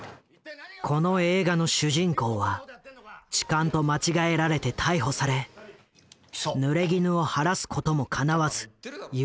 この映画の主人公は痴漢と間違えられて逮捕されぬれぎぬを晴らすこともかなわず有罪判決を受ける。